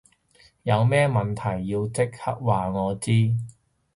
有咩問題要即刻話我知